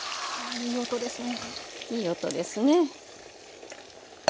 いい音ですね。